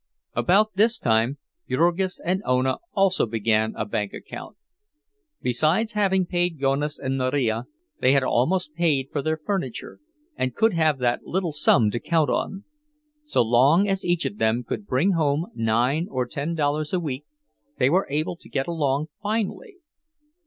About this time Jurgis and Ona also began a bank account. Besides having paid Jonas and Marija, they had almost paid for their furniture, and could have that little sum to count on. So long as each of them could bring home nine or ten dollars a week, they were able to get along finely.